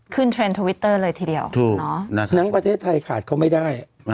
เทรนด์ทวิตเตอร์เลยทีเดียวทั้งประเทศไทยขาดเขาไม่ได้